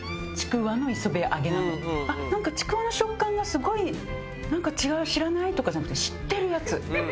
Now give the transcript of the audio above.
なんかちくわの食感がすごいなんか違う知らないとかじゃなくて。